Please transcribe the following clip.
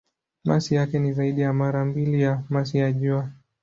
Masi yake ni zaidi ya mara mbili ya masi ya Jua.